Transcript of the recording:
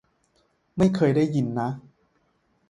ไม่เคยได้ยินนะ